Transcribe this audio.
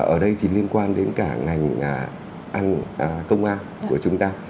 ở đây thì liên quan đến cả ngành công an của chúng ta